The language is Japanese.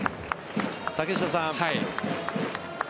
竹下さん。